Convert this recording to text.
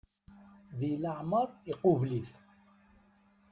Deg leɛmer iqubel-it.